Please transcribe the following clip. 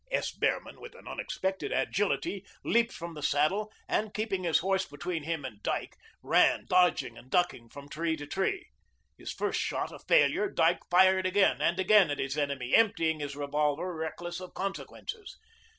S. Behrman, with an unexpected agility, leaped from the saddle, and, keeping his horse between him and Dyke, ran, dodging and ducking, from tree to tree. His first shot a failure, Dyke fired again and again at his enemy, emptying his revolver, reckless of consequences.